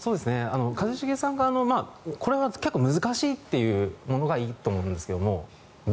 一茂さんがこれは結構難しいというものがいいと思うんですが。